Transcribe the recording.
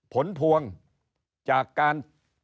ผลพวงจากการ